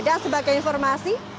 dan sebagai informasi